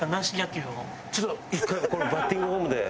ちょっと１回このバッティングフォームで。